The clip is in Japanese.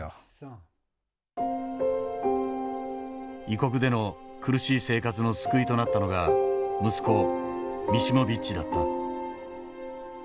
異国での苦しい生活の救いとなったのが息子ミシモビッチだった。